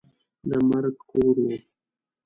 د مرګ کور وو.